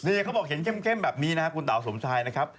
นี่เขาบอกเห็นเข้มแบบนี้นะครับคุณเต๋าสมชายนะครับ